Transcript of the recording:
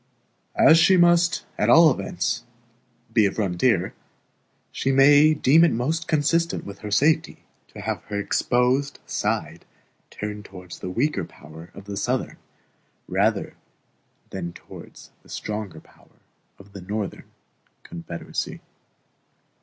As she must at all events be a frontier, she may deem it most consistent with her safety to have her exposed side turned towards the weaker power of the Southern, rather than towards the stronger power of the Northern, Confederacy.